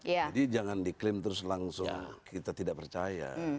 jadi jangan diklaim terus langsung kita tidak percaya